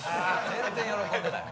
全然喜んでない。